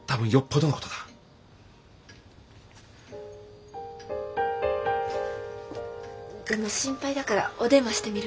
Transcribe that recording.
でも心配だからお電話してみるわ。